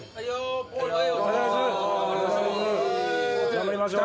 頑張りましょう！